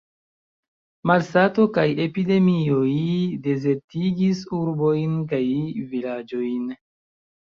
Malsato kaj epidemioj dezertigis urbojn kaj vilaĝojn.